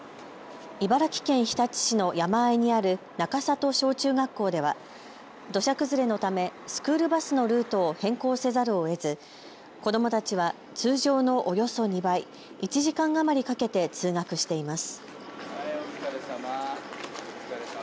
茨城県日立市の山あいにある中里小中学校では土砂崩れのためスクールバスのルートを変更せざるをえず子どもたちは通常のおよそ２倍、１時間余りかけて通学しています。